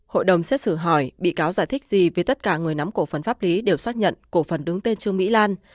hội đồng xét xử hỏi bị cáo giải thích gì vì tất cả người nắm cổ phần pháp lý đều xác nhận cổ phần đứng tên trương mỹ lan